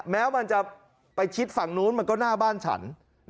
แม้มันจะไปชิดฝั่งนู้นมันก็หน้าบ้านฉัน